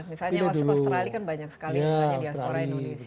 misalnya australia kan banyak sekali yang banyak diaspora indonesia